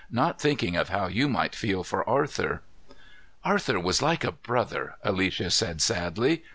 "Not thinking of how you might feel for Arthur." "Arthur was like a brother," Alicia said sadly.